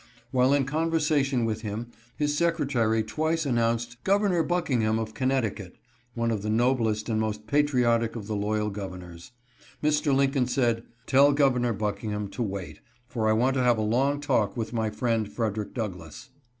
While in conversation with him his Secretary twice announced *' Governor Buckingham of Connecticut," one of the noblest and most patriotic of the loyal governors. Mr. Lincoln said, " Tell Governor Buckingham to wait, for I want to have a long talk with my friend Frederick Douglass."